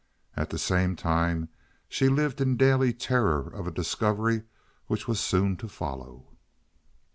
At the same time she lived in daily terror of a discovery which was soon to follow.